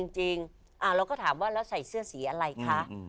จริงเราก็ถามว่าเราใส่เสื้อสีอะไรคะ